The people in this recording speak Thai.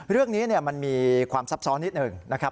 เรื่องนี้มันมีความซับซ้อนนิดหนึ่งนะครับ